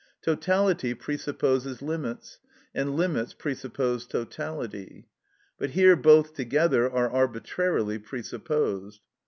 Totality presupposes limits, and limits presuppose totality; but here both together are arbitrarily presupposed.